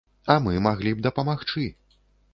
А мы маглі б дапамагчы.